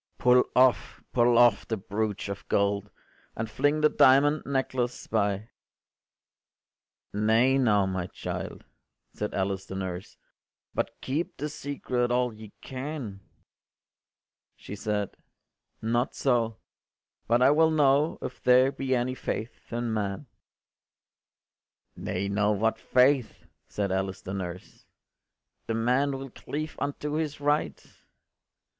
Pull off, pull off, the broach of gold, And fling the diamond necklace by.” “Nay now, my child,” said Alice the nurse, “But keep the secret all ye can.” She said, “Not so: but I will know If there be any faith in man”. “Nay now, what faith?” said Alice the nurse, “The man will cleave unto his right.